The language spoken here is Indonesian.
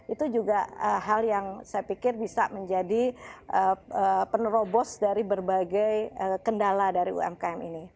itu juga hal yang saya pikir bisa menjadi penerobos dari berbagai kendala dari umkm ini